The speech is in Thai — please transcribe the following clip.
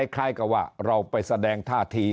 คล้ายกับว่าเราไปแสดงท่าที